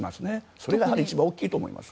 それが一番大きいと思います。